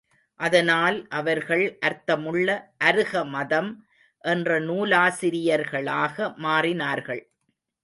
அதனால் அவர்கள் அர்த்தமுள்ள அருக மதம் என்ற நூலாசிரியர்களாக மாறினார்கள்.